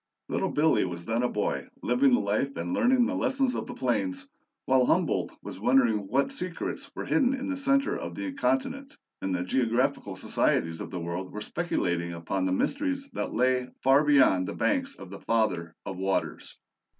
"LITTLE BILLY" was then a boy, living the life and learning the lessons of the plains, while Humboldt was wondering what secrets were hidden in the center of the continent, and the geographical societies of the world were speculating upon the mysteries that lay far beyond the banks of the "Father of Waters."